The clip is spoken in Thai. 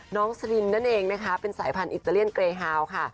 สลินนั่นเองนะคะเป็นสายพันธุอิตาเลียนเกรฮาวค่ะ